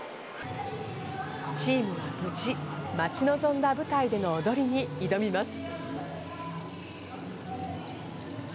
チームは無事、待ち望んだ舞台での踊りに挑みます。